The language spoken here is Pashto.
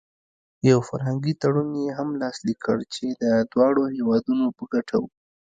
یو فرهنګي تړون یې هم لاسلیک کړ چې د دواړو هېوادونو په ګټه و.